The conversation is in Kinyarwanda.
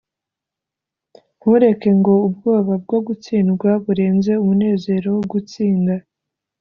"ntureke ngo ubwoba bwo gutsindwa burenze umunezero wo gutsinda."